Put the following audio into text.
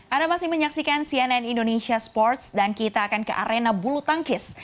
anda masih menyaksikan cnn indonesia sports dan kita akan ke arena bulu tangkis